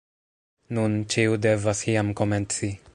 Nun, ĉiu devas iam komenci